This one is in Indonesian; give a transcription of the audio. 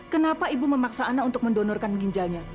kenapa ibu memaksa anak untuk mendonorkan ginjalnya